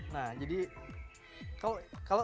nah jadi kalau